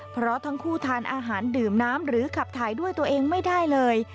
เพราะทั้งคู่ทานอาหารดื่มน้ำหรือขับถ่ายด้วยตัวเองไม่ได้เลย